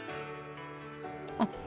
あっ。